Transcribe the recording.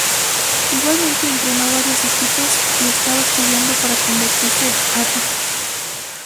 Igualmente entrenó varios equipos y estaba estudiando para convertirse en árbitro.